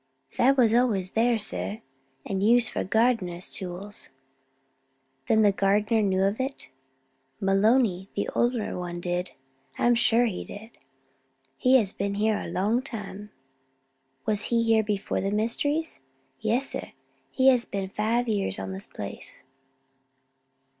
"That was always there, sir, and used for the gardener's tools." "Then the gardener knew of it?" "Maloney, the older one, did, I am sure; he has been here a long time." "Was he here before the mysteries?" "Yes, sir, he has been five years on the place."